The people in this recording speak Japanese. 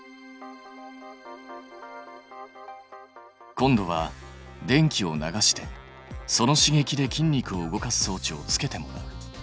今度は電気を流してその刺激で筋肉を動かす装置をつけてもらう。